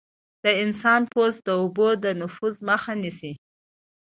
د انسان پوست د اوبو د نفوذ مخه نیسي.